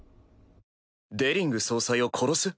「デリング総裁を殺す」？